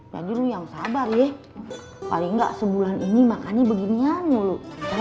jadi lo yang sabar ya paling gak sebulan ini makannya beginian dulu